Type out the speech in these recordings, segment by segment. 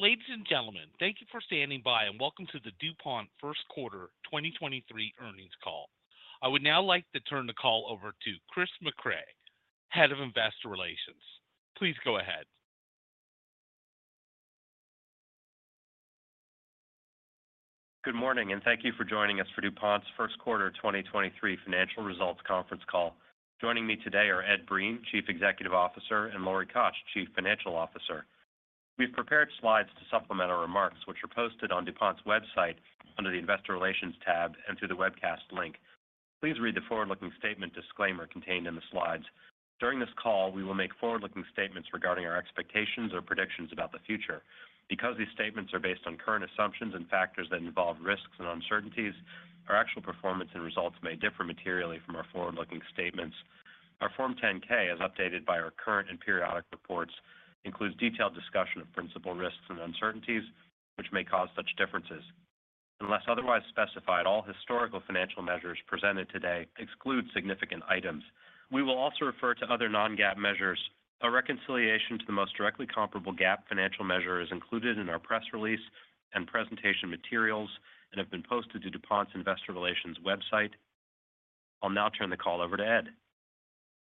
Ladies and gentlemen, thank you for standing by, and welcome to the DuPont first quarter 2023 earnings call. I would now like to turn the call over to Chris Mecray, Head of Investor Relations. Please go ahead. Good morning, thank you for joining us for DuPont's first quarter 2023 financial results conference call. Joining me today are Ed Breen, Chief Executive Officer, and Lori Koch, Chief Financial Officer. We've prepared slides to supplement our remarks, which are posted on DuPont's website under the Investor Relations tab and through the webcast link. Please read the forward-looking statement disclaimer contained in the slides. During this call, we will make forward-looking statements regarding our expectations or predictions about the future. Because these statements are based on current assumptions and factors that involve risks and uncertainties, our actual performance and results may differ materially from our forward-looking statements. Our Form 10-K, as updated by our current and periodic reports, includes detailed discussion of principal risks and uncertainties which may cause such differences. Unless otherwise specified, all historical financial measures presented today exclude significant items. We will also refer to other non-GAAP measures. A reconciliation to the most directly comparable GAAP financial measure is included in our press release and presentation materials and have been posted to DuPont's Investor Relations website. I'll now turn the call over to Ed.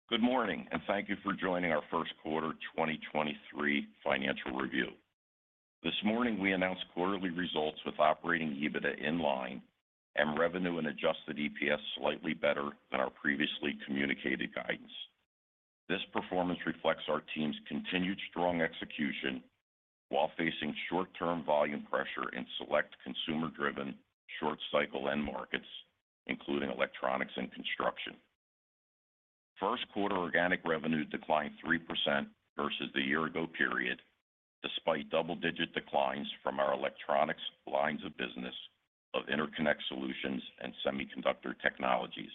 Good morning, and thank you for joining our first quarter 2023 financial review. This morning, we announced quarterly results with operating EBITDA in line and revenue and adjusted EPS slightly better than our previously communicated guidance. This performance reflects our team's continued strong execution while facing short-term volume pressure in select consumer-driven short-cycle end markets, including electronics and construction. First quarter organic revenue declined 3% versus the year-ago period, despite double-digit declines from our Electronics lines of business of Interconnect Solutions and Semiconductor Technologies.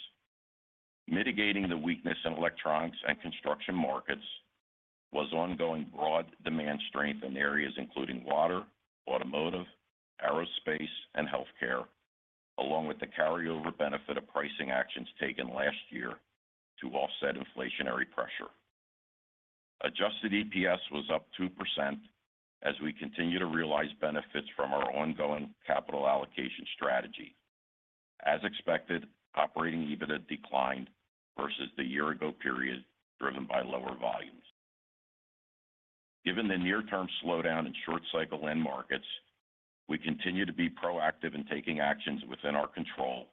Mitigating the weakness in electronics and construction markets was ongoing broad demand strength in areas including water, automotive, aerospace, and healthcare, along with the carryover benefit of pricing actions taken last year to offset inflationary pressure. Adjusted EPS was up 2% as we continue to realize benefits from our ongoing capital allocation strategy. As expected, operating EBITDA declined versus the year ago period, driven by lower volumes. Given the near term slowdown in short cycle end markets, we continue to be proactive in taking actions within our control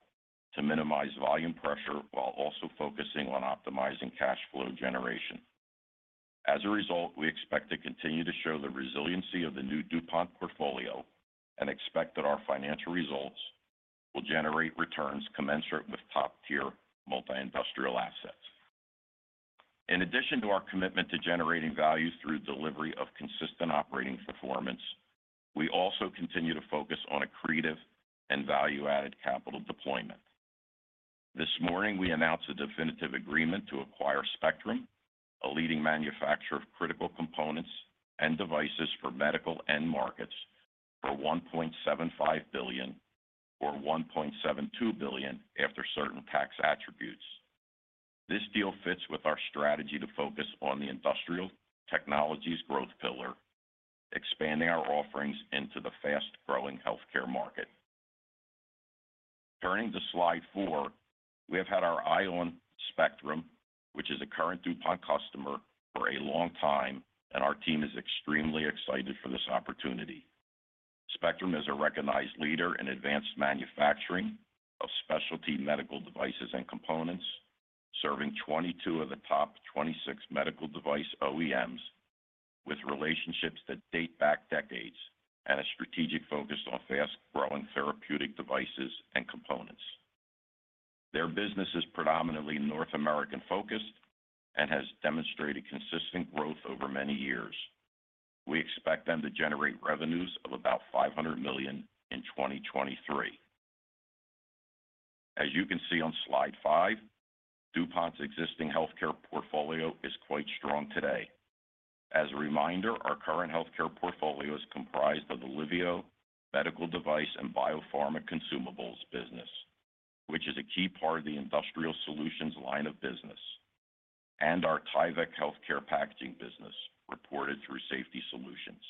to minimize volume pressure while also focusing on optimizing cash flow generation. We expect to continue to show the resiliency of the new DuPont portfolio and expect that our financial results will generate returns commensurate with top-tier multi-industrial assets. In addition to our commitment to generating value through delivery of consistent operating performance, we also continue to focus on accretive and value-added capital deployment. This morning, we announced a definitive agreement to acquire Spectrum, a leading manufacturer of critical components and devices for medical end markets, for $1.75 billion or $1.72 billion after certain tax attributes. This deal fits with our strategy to focus on the industrial technologies growth pillar, expanding our offerings into the fast-growing healthcare market. Turning to slide four, we have had our eye on Spectrum, which is a current DuPont customer, for a long time. Our team is extremely excited for this opportunity. Spectrum is a recognized leader in advanced manufacturing of specialty medical devices and components, serving 22 of the top 26 medical device OEMs with relationships that date back decades and a strategic focus on fast-growing therapeutic devices and components. Their business is predominantly North American focused and has demonstrated consistent growth over many years. We expect them to generate revenues of about $500 million in 2023. As you can see on slide five, DuPont's existing healthcare portfolio is quite strong today. As a reminder, our current healthcare portfolio is comprised of Liveo medical device and biopharma consumables business, which is a key part of the Industrial Solutions line of business, and our Tyvek Healthcare Packaging business reported through Safety Solutions.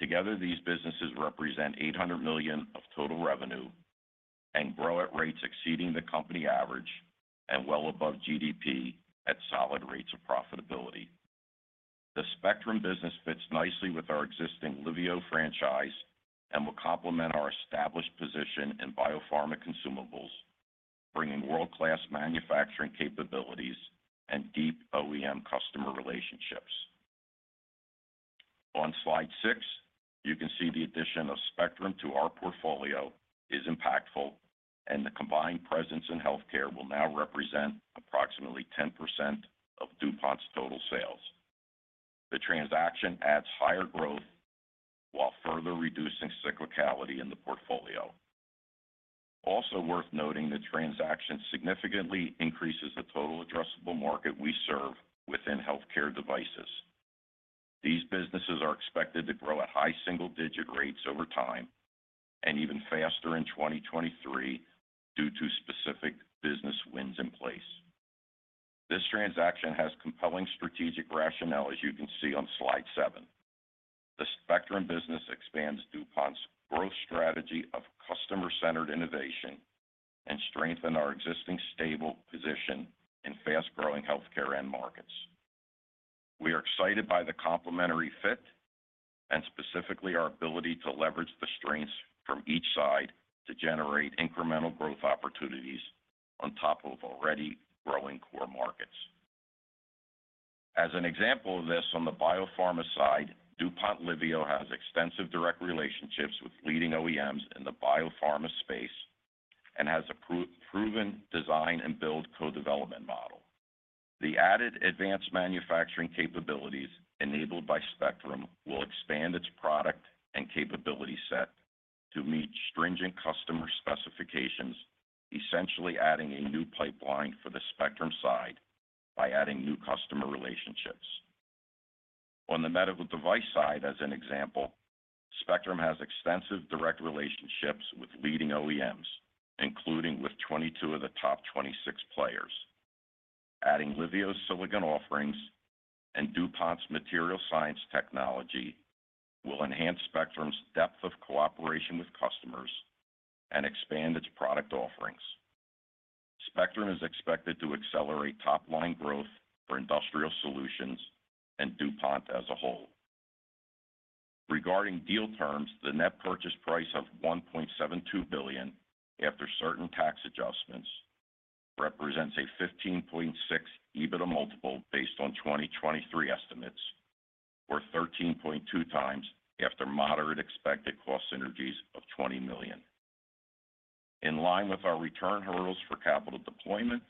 Together, these businesses represent $800 million of total revenue and grow at rates exceeding the company average and well above GDP at solid rates of profitability. The Spectrum business fits nicely with our existing Liveo franchise and will complement our established position in biopharma consumables, bringing world-class manufacturing capabilities and deep OEM customer relationships. On slide six, you can see the addition of Spectrum to our portfolio is impactful and the combined presence in healthcare will now represent approximately 10% of DuPont's total sales. The transaction adds higher growth while further reducing cyclicality in the portfolio. Also worth noting, the transaction significantly increases the total addressable market we serve within healthcare devices. These businesses are expected to grow at high single digit rates over time and even faster in 2023 due to specific business wins in place. This transaction has compelling strategic rationale, as you can see on slide seven. The Spectrum business expands DuPont's growth strategy of customer-centered innovation and strengthen our existing stable position in fast-growing healthcare end markets. We are excited by the complementary fit and specifically our ability to leverage the strengths from each side to generate incremental growth opportunities on top of already growing core markets. As an example of this, on the biopharma side, DuPont Liveo has extensive direct relationships with leading OEMs in the biopharma space and has a pro-proven design and build co-development model. The added advanced manufacturing capabilities enabled by Spectrum will expand its product and capability set to meet stringent customer specifications, essentially adding a new pipeline for the Spectrum side by adding new customer relationships. On the medical device side, as an example, Spectrum has extensive direct relationships with leading OEMs, including with 22 of the top 26 players. Adding Liveo's silicon offerings and DuPont's material science technology will enhance Spectrum's depth of cooperation with customers and expand its product offerings. Spectrum is expected to accelerate top-line growth for Industrial Solutions and DuPont as a whole. Regarding deal terms, the net purchase price of $1.72 billion after certain tax adjustments represents a 15.6x EBITDA multiple based on 2023 estimates, or 13.2x after moderate expected cost synergies of $20 million. In line with our return hurdles for capital deployment,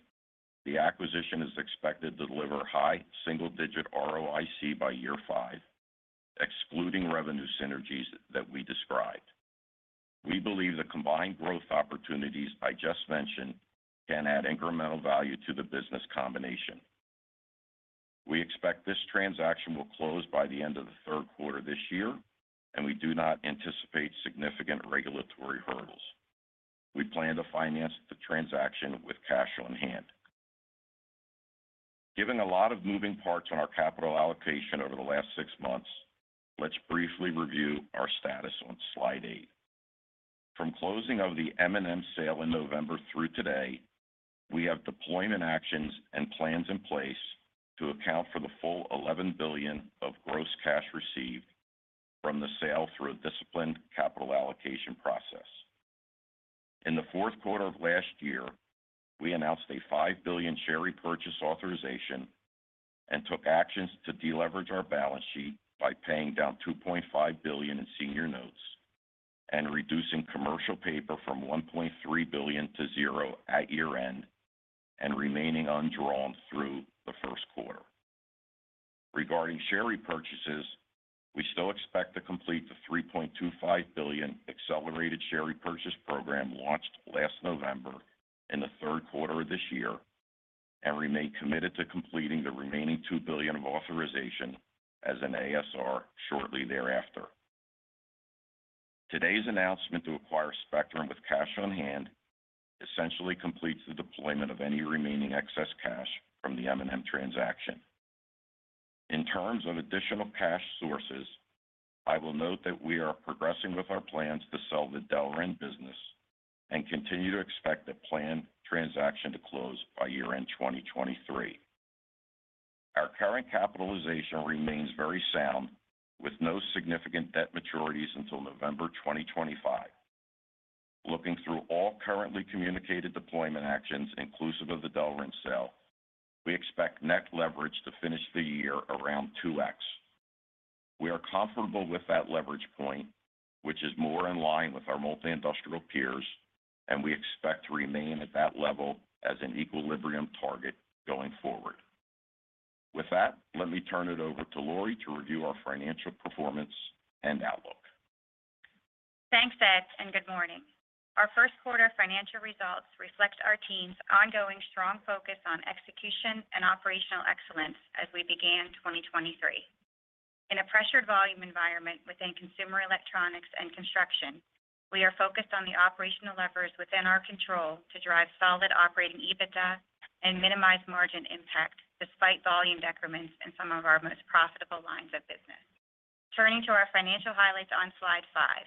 the acquisition is expected to deliver high single-digit ROIC by year five, excluding revenue synergies that we described. We believe the combined growth opportunities I just mentioned can add incremental value to the business combination. We expect this transaction will close by the end of the third quarter this year. We do not anticipate significant regulatory hurdles. We plan to finance the transaction with cash on hand. Given a lot of moving parts on our capital allocation over the last six months, let's briefly review our status on slide eight. From closing of the M&M sale in November through today, we have deployment actions and plans in place to account for the full $11 billion of gross cash received from the sale through a disciplined capital allocation process. In the fourth quarter of last year, we announced a $5 billion share repurchase authorization and took actions to deleverage our balance sheet by paying down $2.5 billion in senior notes and reducing commercial paper from $1.3 billion to 0 at year-end and remaining undrawn through the first quarter. Regarding share repurchases, we still expect to complete the $3.25 billion accelerated share repurchase program launched last November in the third quarter of this year and remain committed to completing the remaining $2 billion of authorization as an ASR shortly thereafter. Today's announcement to acquire Spectrum with cash on hand essentially completes the deployment of any remaining excess cash from the M&M transaction. In terms of additional cash sources, I will note that we are progressing with our plans to sell the Delrin business and continue to expect the planned transaction to close by year-end 2023. Our current capitalization remains very sound, with no significant debt maturities until November 2025. Looking through all currently communicated deployment actions inclusive of the Delrin sale, we expect net leverage to finish the year around 2x. We are comfortable with that leverage point, which is more in line with our multi-industrial peers, and we expect to remain at that level as an equilibrium target going forward. With that, let me turn it over to Lori to review our financial performance and outlook. Thanks, Ed, and good morning. Our first quarter financial results reflect our team's ongoing strong focus on execution and operational excellence as we began 2023. In a pressured volume environment within consumer electronics and construction, we are focused on the operational levers within our control to drive solid operating EBITDA and minimize margin impact despite volume decrements in some of our most profitable lines of business. Turning to our financial highlights on slide five.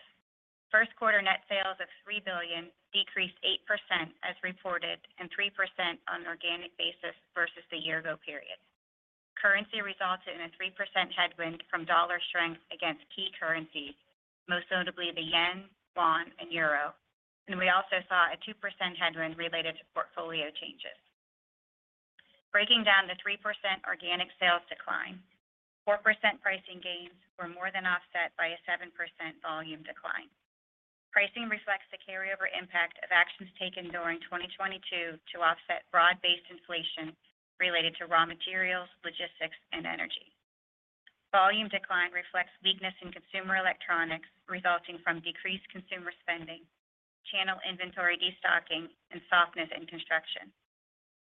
First quarter net sales of $3 billion decreased 8% as reported, and 3% on an organic basis versus the year ago period. Currency resulted in a 3% headwind from dollar strength against key currencies, most notably the Yen, Won, and Euro. We also saw a 2% headwind related to portfolio changes. Breaking down the 3% organic sales decline, 4% pricing gains were more than offset by a 7% volume decline. Pricing reflects the carryover impact of actions taken during 2022 to offset broad-based inflation related to raw materials, logistics, and energy. Volume decline reflects weakness in consumer electronics resulting from decreased consumer spending, channel inventory destocking, and softness in construction.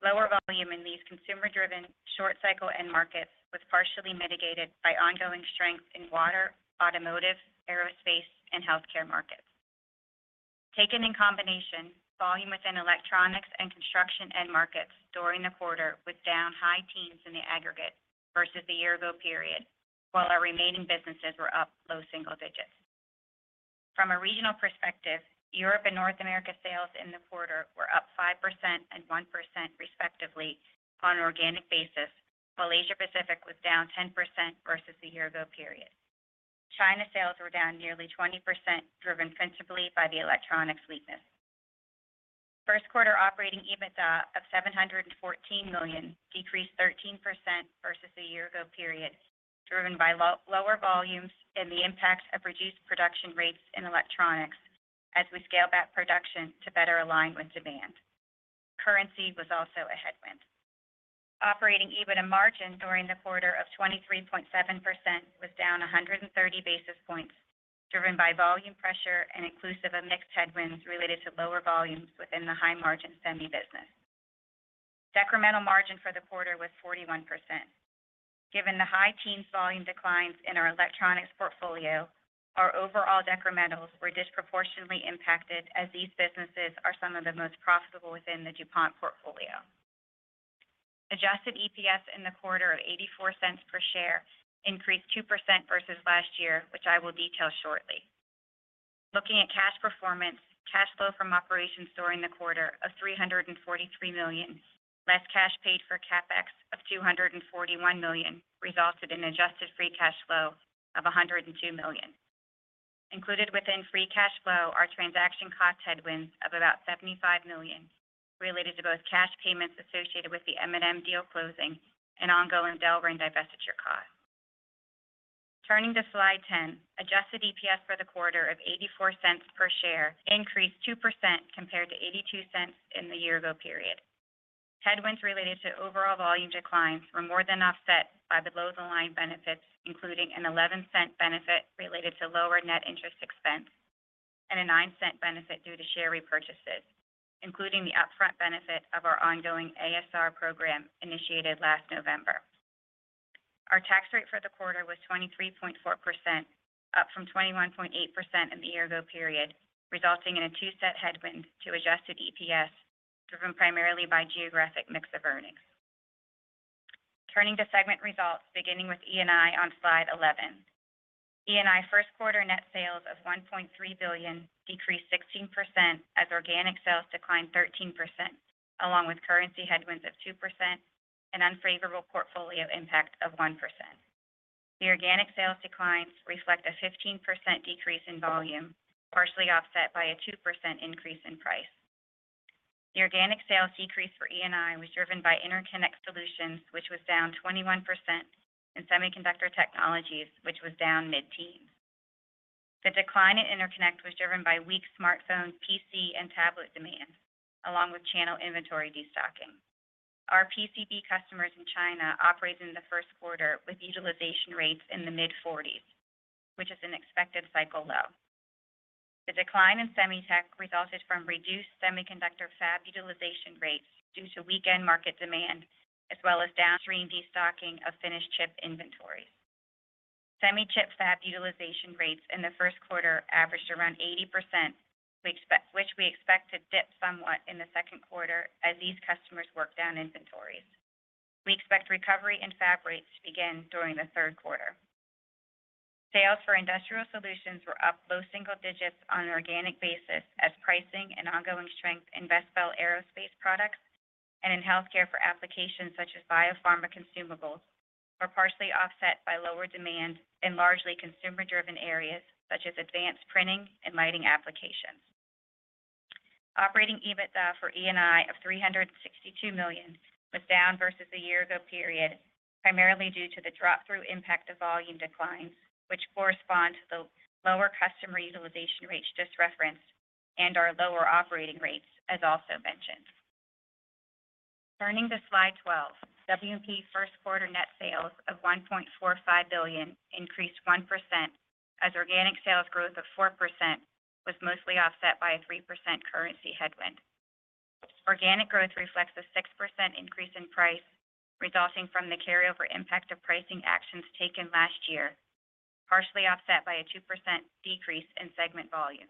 Lower volume in these consumer-driven short cycle end markets was partially mitigated by ongoing strength in water, automotive, aerospace, and healthcare markets. Taken in combination, volume within electronics and construction end markets during the quarter was down high teens in the aggregate versus the year-ago period, while our remaining businesses were up low single digits. From a regional perspective, Europe and North America sales in the quarter were up 5% and 1% respectively on an organic basis, while Asia Pacific was down 10% versus the year ago period. China sales were down nearly 20%, driven principally by the electronics weakness. First quarter operating EBITDA of $714 million decreased 13% versus the year ago period, driven by lower volumes and the impact of reduced production rates in electronics as we scale back production to better align with demand. Currency was also a headwind. Operating EBITDA margin during the quarter of 23.7% was down 130 basis points, driven by volume pressure and inclusive of mixed headwinds related to lower volumes within the high-margin semi business. Decremental margin for the quarter was 41%. Given the high teens volume declines in our electronics portfolio, our overall decrementals were disproportionately impacted, as these businesses are some of the most profitable within the DuPont portfolio. Adjusted EPS in the quarter of $0.84 per share increased 2% versus last year, which I will detail shortly. Looking at cash performance, cash flow from operations during the quarter of $343 million, less cash paid for CapEx of $241 million, resulted in adjusted free cash flow of $102 million. Included within free cash flow are transaction cost headwinds of about $75 million related to both cash payments associated with the M&M deal closing and ongoing Delrin divestiture costs. Turning to slide 10, adjusted EPS for the quarter of $0.84 per share increased 2% compared to $0.82 in the year-ago period. Headwinds related to overall volume declines were more than offset by the below-the-line benefits, including an $0.11 benefit related to lower net interest expense and a $0.09 benefit due to share repurchases, including the upfront benefit of our ongoing ASR program initiated last November. Our tax rate for the quarter was 23.4%, up from 21.8% in the year ago period, resulting in a $0.02 headwind to adjusted EPS, driven primarily by geographic mix of earnings. Turning to segment results, beginning with E&I on slide 11. E&I first quarter net sales of $1.3 billion decreased 16% as organic sales declined 13%, along with currency headwinds of 2% and unfavorable portfolio impact of 1%. The organic sales declines reflect a 15% decrease in volume, partially offset by a 2% increase in price. The organic sales decrease for E&I was driven by Interconnect Solutions, which was down 21%, and Semiconductor Technologies, which was down mid-teens. The decline in interconnect was driven by weak smartphone, PC and tablet demand, along with channel inventory destocking. Our PCB customers in China operated in the first quarter with utilization rates in the mid-forties, which is an expected cycle low. The decline in SemiTech resulted from reduced semiconductor fab utilization rates due to weakened market demand, as well as downstream destocking of finished chip inventories. Semi chip fab utilization rates in the first quarter averaged around 80%, which we expect to dip somewhat in the second quarter as these customers work down inventories. We expect recovery in fab rates to begin during the third quarter. Sales for Industrial Solutions were up low single digits on an organic basis as pricing and ongoing strength in Vespel aerospace products and in healthcare for applications such as biopharma consumables were partially offset by lower demand in largely consumer-driven areas such as advanced printing and lighting applications. Operating EBITDA for E&I of $362 million was down versus the year ago period, primarily due to the drop through impact of volume declines, which correspond to the lower customer utilization rates just referenced and our lower operating rates as also mentioned. Turning to slide 12. W&P first quarter net sales of $1.45 billion increased 1% as organic sales growth of 4% was mostly offset by a 3% currency headwind. Organic growth reflects a 6% increase in price resulting from the carryover impact of pricing actions taken last year, partially offset by a 2% decrease in segment volume.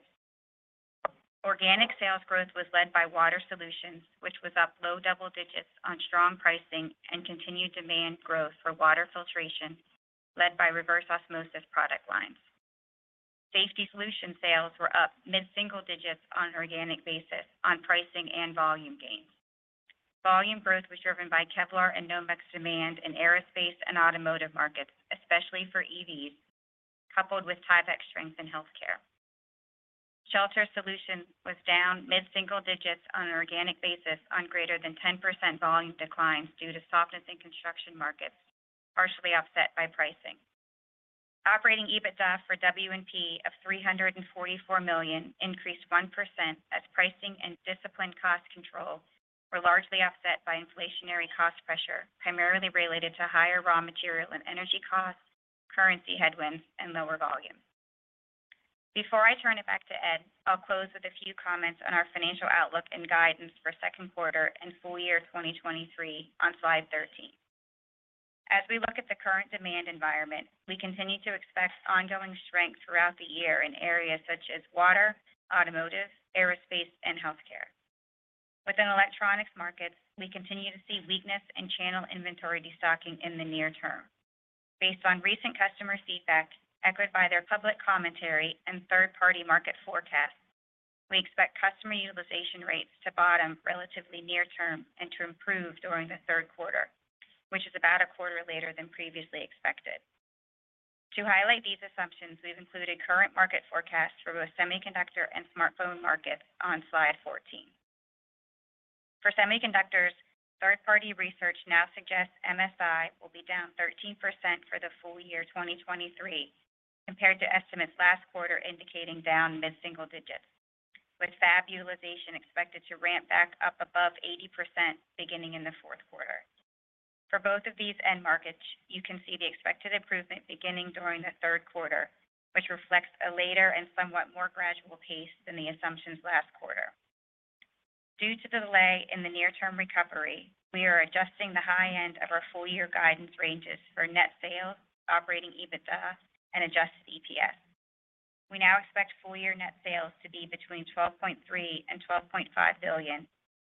Organic sales growth was led by Water Solutions, which was up low double digits on strong pricing and continued demand growth for water filtration, led by reverse osmosis product lines. Safety Solutions sales were up mid-single digits on an organic basis on pricing and volume gains. Volume growth was driven by Kevlar and Nomex demand in aerospace and automotive markets, especially for EVs, coupled with Tyvek strength in healthcare. Shelter Solutions was down mid-single digits on an organic basis on greater than 10% volume declines due to softness in construction markets, partially offset by pricing. Operating EBITDA for W&P of $344 million increased 1% as pricing and disciplined cost control were largely offset by inflationary cost pressure, primarily related to higher raw material and energy costs, currency headwinds and lower volume. Before I turn it back to Ed, I'll close with a few comments on our financial outlook and guidance for second quarter and full year 2023 on slide 13. As we look at the current demand environment, we continue to expect ongoing strength throughout the year in areas such as water, automotive, aerospace, and healthcare. Within electronics markets, we continue to see weakness in channel inventory destocking in the near term. Based on recent customer feedback, echoed by their public commentary and third-party market forecasts, we expect customer utilization rates to bottom relatively near term and to improve during the third quarter, which is about a quarter later than previously expected. To highlight these assumptions, we've included current market forecasts for both semiconductor and smartphone markets on slide 14. For semiconductors, third-party research now suggests MSI will be down 13% for the full year 2023 compared to estimates last quarter indicating down mid-single digits, with fab utilization expected to ramp back up above 80% beginning in the fourth quarter. For both of these end markets, you can see the expected improvement beginning during the third quarter, which reflects a later and somewhat more gradual pace than the assumptions last quarter. Due to the delay in the near-term recovery, we are adjusting the high end of our full year guidance ranges for net sales, operating EBITDA, and adjusted EPS. We now expect full year net sales to be between $12.3 billion and $12.5 billion,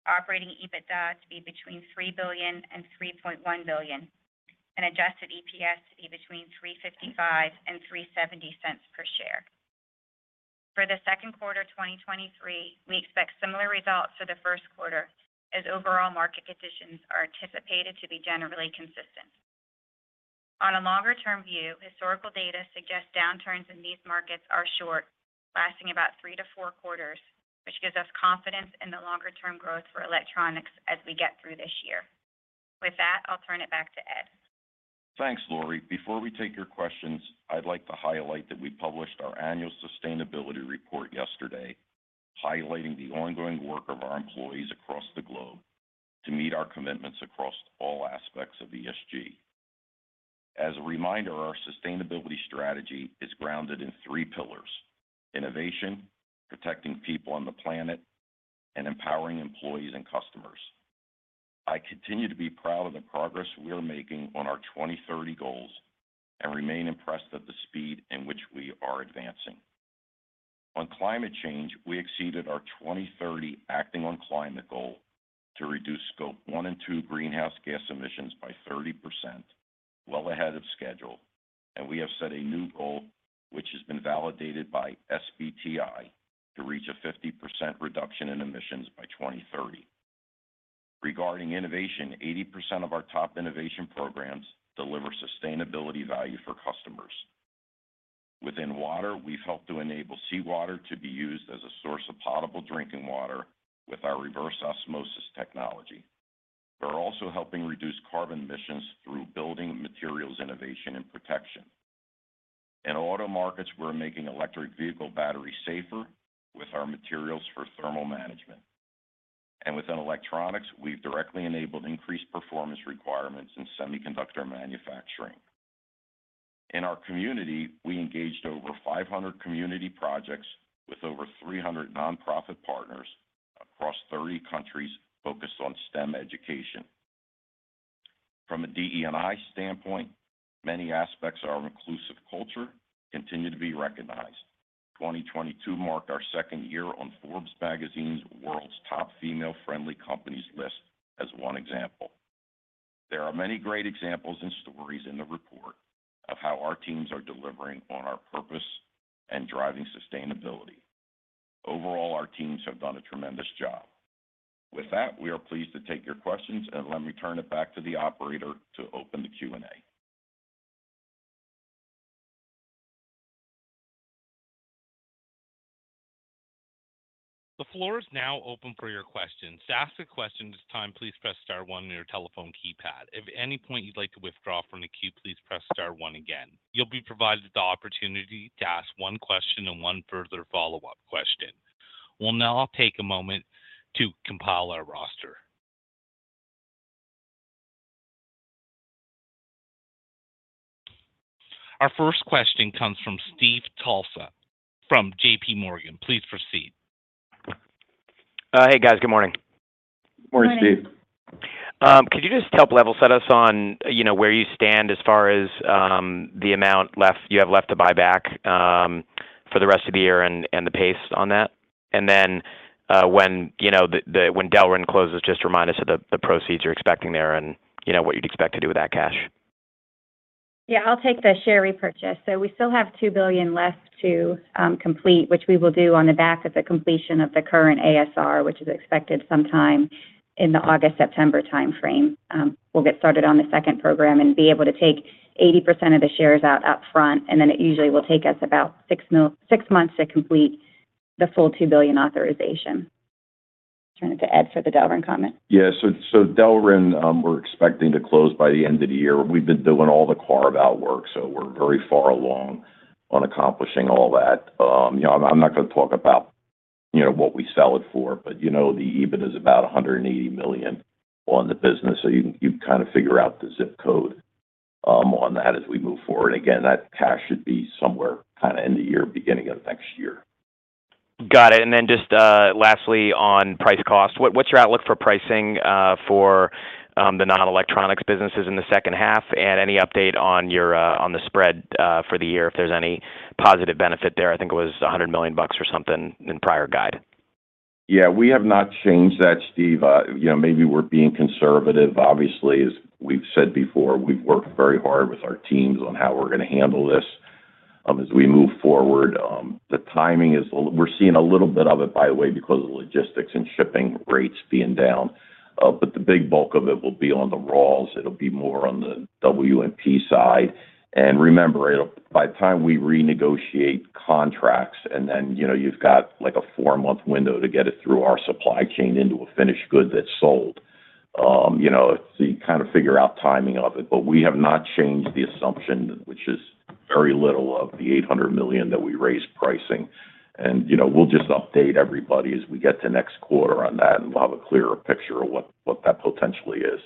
operating EBITDA to be between $3 billion and $3.1 billion, and adjusted EPS to be between $3.55 and $3.70 per share. For the second quarter 2023, we expect similar results for the first quarter as overall market conditions are anticipated to be generally consistent. On a longer-term view, historical data suggests downturns in these markets are short, lasting about three to four quarters, which gives us confidence in the longer-term growth for electronics as we get through this year. With that, I'll turn it back to Ed. Thanks, Lori. Before we take your questions, I'd like to highlight that we published our annual sustainability report yesterday, highlighting the ongoing work of our employees across the globe to meet our commitments across all aspects of ESG. As a reminder, our sustainability strategy is grounded in three pillars: innovation, protecting people on the planet, and empowering employees and customers. I continue to be proud of the progress we are making on our 2030 goals and remain impressed at the speed in which we are advancing. On climate change, we exceeded our 2030 Acting on Climate goal to reduce Scope 1 and 2 greenhouse gas emissions by 30% well ahead of schedule. We have set a new goal, which has been validated by SBTi, to reach a 50% reduction in emissions by 2030. Regarding innovation, 80% of our top innovation programs deliver sustainability value for customers. Within water, we've helped to enable seawater to be used as a source of potable drinking water with our reverse osmosis technology. We're also helping reduce carbon emissions through building materials innovation and protection. Auto markets, we're making electric vehicle batteries safer with our materials for thermal management. Within electronics, we've directly enabled increased performance requirements in semiconductor manufacturing. In our community, we engaged over 500 community projects with over 300 nonprofit partners across 30 countries focused on STEM education. From a DE&I standpoint, many aspects of our inclusive culture continue to be recognized. 2022 marked our second year on Forbes magazine's World's Top Female-Friendly Companies list as one example. There are many great examples and stories in the report of how our teams are delivering on our purpose and driving sustainability. Overall, our teams have done a tremendous job. With that, we are pleased to take your questions, and let me turn it back to the operator to open the Q&A. The floor is now open for your questions. To ask a question at this time, please press star one on your telephone keypad. If at any point you'd like to withdraw from the queue, please press star one again. You'll be provided the opportunity to ask one question and one further follow-up question. We'll now take a moment to compile our roster. Our first question comes from Steve Tusa from JPMorgan. Please proceed. Hey, guys. Good morning. Morning, Steve. Morning. Could you just help level set us on, you know, where you stand as far as the amount you have left to buy back for the rest of the year, and the pace on that? Then, when, you know, Delrin closes, just remind us of the proceeds you're expecting there and, you know, what you'd expect to do with that cash. Yeah. I'll take the share repurchase. We still have $2 billion left to complete, which we will do on the back of the completion of the current ASR, which is expected sometime in the August-September timeframe. We'll get started on the second program and be able to take 80% of the shares out upfront, and then it usually will take us about six months to complete the full $2 billion authorization. Turn it to Ed for the Delrin comment. Yeah. Delrin, we're expecting to close by the end of the year. We've been doing all the carve-out work, so we're very far along on accomplishing all that. You know, I'm not gonna talk about, you know, what we sell it for, but, you know, the EBIT is about $180 million on the business, so you kind of figure out the zip code on that as we move forward. That cash should be somewhere kinda end of year, beginning of next year. Got it. Just lastly on price cost, what's your outlook for pricing for the non-electronics businesses in the second half? Any update on your on the spread for the year, if there's any positive benefit there? I think it was $100 million or something in prior guide. We have not changed that, Steve. You know, maybe we're being conservative. Obviously, as we've said before, we've worked very hard with our teams on how we're gonna handle this as we move forward. The timing is a little we're seeing a little bit of it, by the way, because of the logistics and shipping rates being down. But the big bulk of it will be on the raws. It'll be more on the W&P side. Remember, it'll by the time we renegotiate contracts and then, you know, you've got, like, a four-month window to get it through our supply chain into a finished good that's sold, you know, so you kind of figure out timing of it. But we have not changed the assumption, which is very little of the $800 million that we raised pricing. You know, we'll just update everybody as we get to next quarter on that, and we'll have a clearer picture of what that potentially is.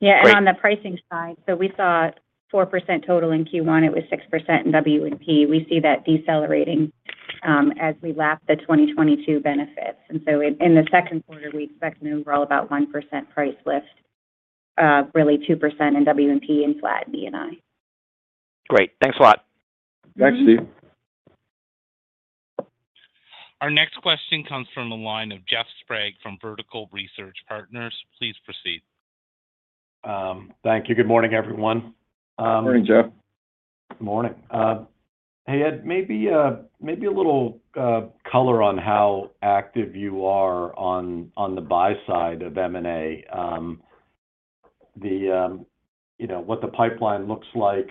Great. On the pricing side, we saw 4% total in Q1. It was 6% in W&P. We see that decelerating as we lap the 2022 benefits. In the second quarter, we expect an overall about 1% price lift. Really 2% in W&P and flat EPS. Great. Thanks a lot. Thanks, Steve. Mm-hmm. Our next question comes from the line of Jeff Sprague from Vertical Research Partners. Please proceed. Thank you. Good morning, everyone. Morning, Jeff. Morning. Hey, Ed, maybe a little color on how active you are on the buy side of M&A. You know, what the pipeline looks like.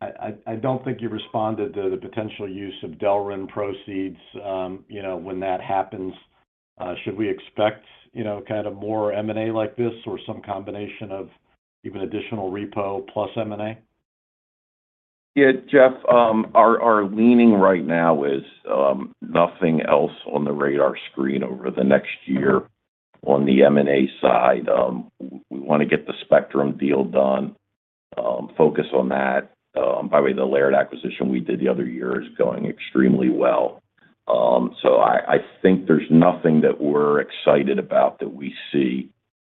I don't think you responded to the potential use of Delrin proceeds, you know, when that happens, should we expect, you know, kind of more M&A like this or some combination of even additional repo plus M&A? Yeah, Jeff, our leaning right now is nothing else on the radar screen over the next year on the M&A side. We wanna get the Spectrum deal done, focus on that. By the way, the Laird acquisition we did the other year is going extremely well. I think there's nothing that we're excited about that we see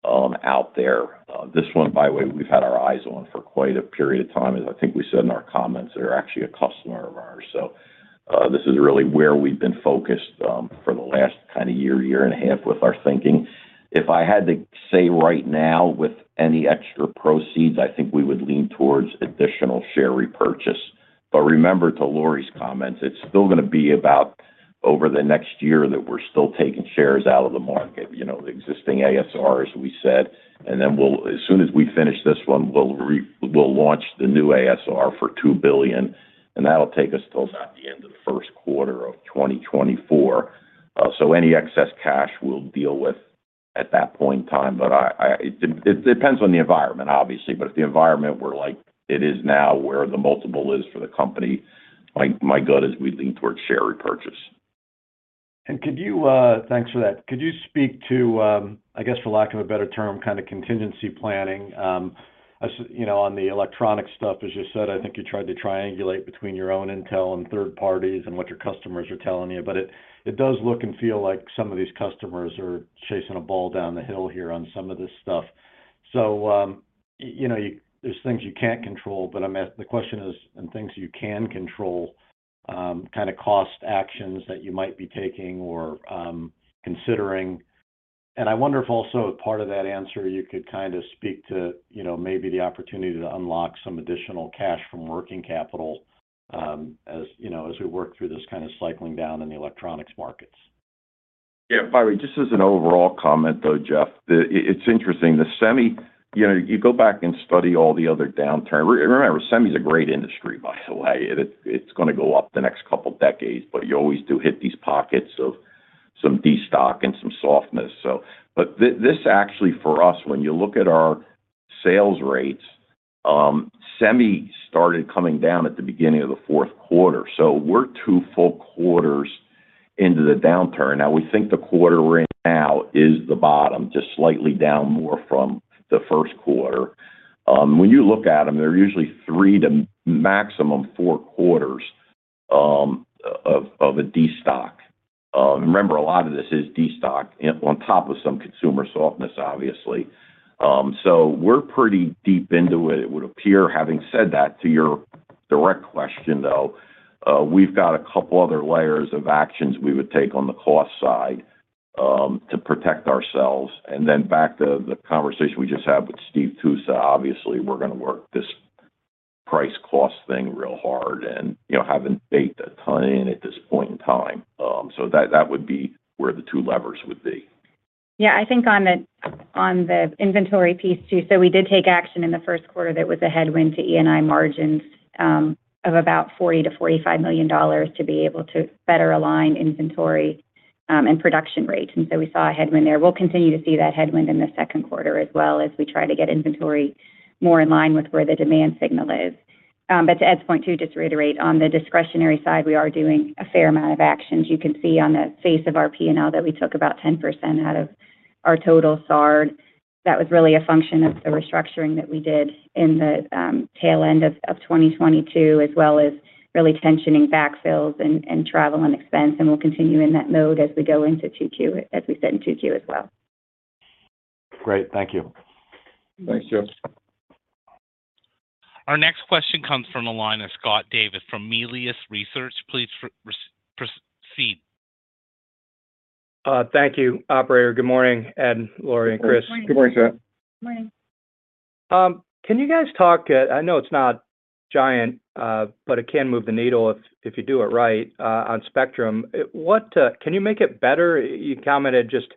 out there. This one, by the way, we've had our eyes on for quite a period of time. As I think we said in our comments, they're actually a customer of ours. This is really where we've been focused for the last kind of year and a half with our thinking. If I had to say right now with any extra proceeds, I think we would lean towards additional share repurchase. Remember, to Lori's comments, it's still gonna be about over the next year that we're still taking shares out of the market, you know, the existing ASRs, we said. Then as soon as we finish this one, we'll launch the new ASR for $2 billion, and that'll take us till about the end of the first quarter of 2024. Any excess cash we'll deal with at that point in time. I, it depends on the environment, obviously. If the environment were like it is now, where the multiple is for the company, like my gut is we lean towards share repurchase. Could you, thanks for that. Could you speak to, I guess for lack of a better term, kind of contingency planning, as, you know, on the electronic stuff, as you said, I think you tried to triangulate between your own intel and third parties and what your customers are telling you? It, it does look and feel like some of these customers are chasing a ball down the hill here on some of this stuff. You know, there's things you can't control, but the question is, and things you can control, kind of cost actions that you might be taking or considering? I wonder if also as part of that answer, you could kind of speak to, you know, maybe the opportunity to unlock some additional cash from working capital, as, you know, as we work through this kind of cycling down in the electronics markets. Yeah. By the way, just as an overall comment, though, Jeff, it's interesting. The semi, you know, you go back and study all the other downturn. Remember, semi is a great industry, by the way. It's gonna go up the next couple decades, but you always do hit these pockets of some destock and some softness. This actually for us, when you look at our sales rates, semi started coming down at the beginning of the fourth quarter. We're two full quarters into the downturn. Now, we think the quarter we're in now is the bottom, just slightly down more from the first quarter. When you look at them, they're usually three to maximum four quarters of a destock. Remember, a lot of this is destock on top of some consumer softness, obviously. We're pretty deep into it would appear. Having said that, to your direct question, though, we've got a couple other layers of actions we would take on the cost side, to protect ourselves. Back to the conversation we just had with Steve Tusa, obviously, we're gonna work this price cost thing real hard and, you know, haven't baked a ton in at this point in time. That, that would be where the two levers would be. I think on the, on the inventory piece too, we did take action in the first quarter that was a headwind to EPS margins, of about $40 million-$45 million to be able to better align inventory, and production rates. We saw a headwind there. We'll continue to see that headwind in the second quarter as well as we try to get inventory more in line with where the demand signal is. To Ed's point, to just reiterate, on the discretionary side, we are doing a fair amount of actions. You can see on the face of our P&L that we took about 10% out of our total SG&A. That was really a function of the restructuring that we did in the tail end of 2022, as well as really tensioning backfills and travel and expense. We'll continue in that mode as we go into 2Q, as we said in 2Q as well. Great. Thank you. Thanks, Joe. Our next question comes from the line of Scott Davis from Melius Research. Please proceed. Thank you, operator. Good morning, Ed, Lori, and Chris. Good morning, Scott. Morning. Can you guys talk, I know it's not giant, but it can move the needle if you do it right, on Spectrum. What can you make it better? You commented just,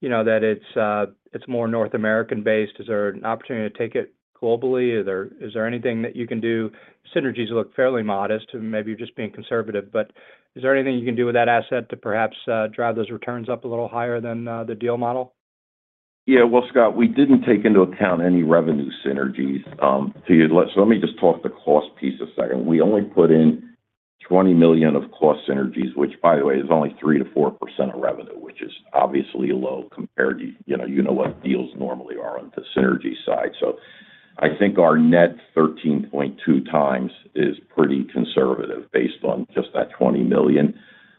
you know, that it's more North American-based. Is there an opportunity to take it globally? Is there anything that you can do? Synergies look fairly modest, and maybe you're just being conservative, but is there anything you can do with that asset to perhaps drive those returns up a little higher than the deal model? Well, Scott, we didn't take into account any revenue synergies, let me just talk the cost piece a second. We only put in $20 million of cost synergies, which by the way, is only 3%-4% of revenue, which is obviously low compared to, you know what deals normally are on the synergy side. I think our net 13.2x is pretty conservative based on just that $20 million.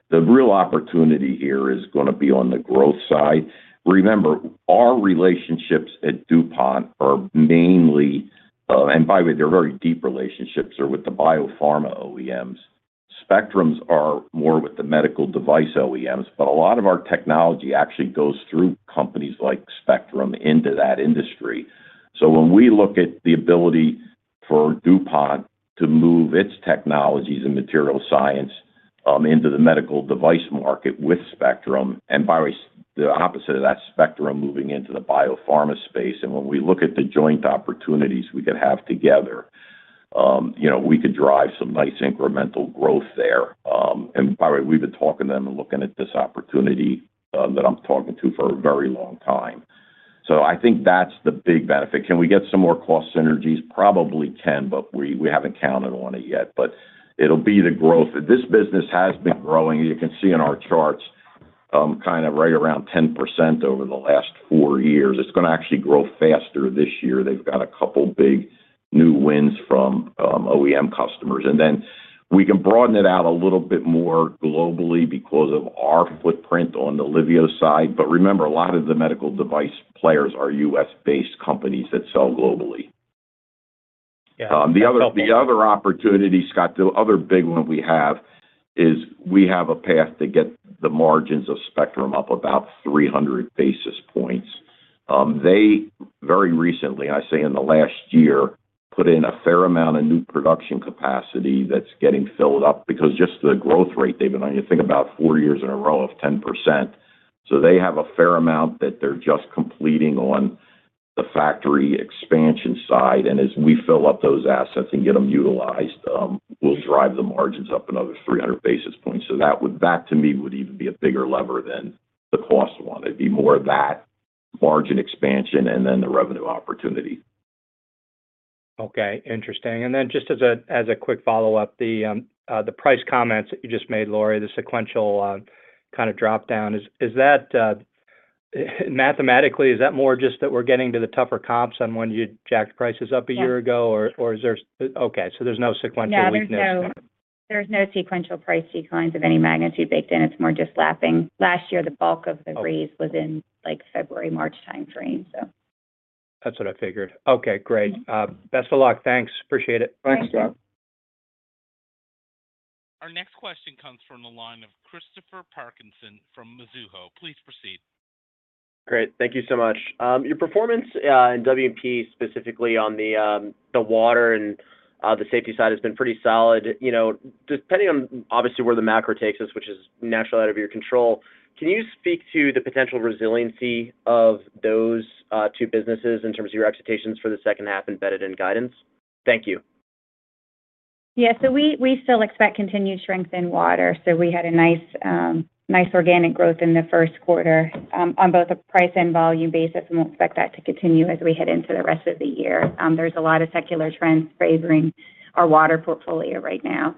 The real opportunity here is gonna be on the growth side. Remember, our relationships at DuPont are mainly, and by the way, they're very deep relationships, are with the biopharma OEMs. Spectrum are more with the medical device OEMs, but a lot of our technology actually goes through companies like Spectrum into that industry. When we look at the ability for DuPont to move its technologies and material science, into the medical device market with Spectrum, and by the way, the opposite of that, Spectrum moving into the biopharma space, and when we look at the joint opportunities we could have together, you know, we could drive some nice incremental growth there. By the way, we've been talking to them and looking at this opportunity, that I'm talking to for a very long time. I think that's the big benefit. Can we get some more cost synergies? Probably can, but we haven't counted on it yet. It'll be the growth. This business has been growing, you can see in our charts, kind of right around 10% over the last four years. It's gonna actually grow faster this year. They've got a couple big new wins from OEM customers. We can broaden it out a little bit more globally because of our footprint on the Liveo side, but remember, a lot of the medical device players are U.S.-based companies that sell globally. Yeah. That's helpful. The other opportunity, Scott, the other big one we have is we have a path to get the margins of Spectrum up about 300 basis points. They very recently, I say in the last year, put in a fair amount of new production capacity that's getting filled up because just the growth rate they've been on, you think about four years in a row of 10%. They have a fair amount that they're just completing on the factory expansion side, and as we fill up those assets and get them utilized, we'll drive the margins up another 300 basis points. That to me would even be a bigger lever than the cost one. It'd be more that margin expansion and then the revenue opportunity. Okay. Interesting. Just as a quick follow-up, the price comments that you just made, Lori, the sequential kind of dropdown, is that mathematically, is that more just that we're getting to the tougher comps on when you jacked prices up a year ago? Yeah. Is there. Okay. There's no sequential weakness. Yeah, there's no sequential price declines of any magnitude baked in. It's more just lapping. Last year, the bulk of the. Okay. Was in, like, February, March timeframe, so. That's what I figured. Okay. Great. Best of luck. Thanks. Appreciate it. Thanks, Scott. Thank you. Our next question comes from the line of Christopher Parkinson from Mizuho. Please proceed. Great. Thank you so much. Your performance in W&P, specifically on the water and the Safety Solutions side has been pretty solid. You know, depending on obviously where the macro takes us, which is naturally out of your control, can you speak to the potential resiliency of those two businesses in terms of your expectations for the second half embedded in guidance? Thank you. We still expect continued strength in water, we had a nice organic growth in the first quarter on both a price and volume basis, we expect that to continue as we head into the rest of the year. There's a lot of secular trends favoring our water portfolio right now.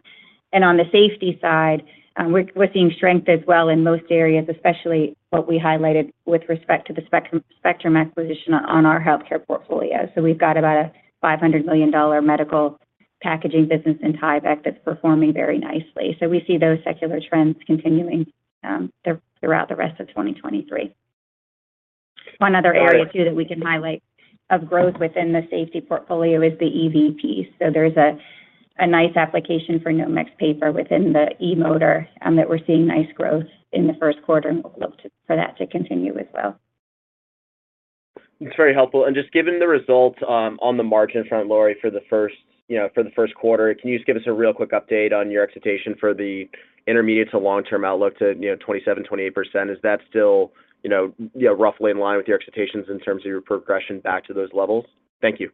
On the safety side, we're seeing strength as well in most areas, especially what we highlighted with respect to the Spectrum acquisition on our healthcare portfolio. We've got about a $500 million medical packaging business in Tyvek that's performing very nicely. We see those secular trends continuing throughout the rest of 2023. One other area too that we can highlight of growth within the safety portfolio is the EV piece. There's a nice application for Nomex paper within the e-motor, that we're seeing nice growth in the first quarter, and we'll look for that to continue as well. It's very helpful. Just given the results, on the margin front, Lori, for the first, you know, for the first quarter, can you just give us a real quick update on your expectation for the intermediate to long-term outlook to, you know, 27%, 28%? Is that still, you know, roughly in line with your expectations in terms of your progression back to those levels? Thank you.